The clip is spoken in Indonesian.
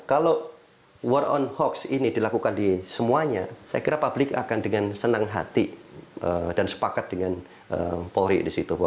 kalau war on hoax ini dilakukan di semuanya saya kira publik akan dengan senang hati dan sepakat dengan polri di situ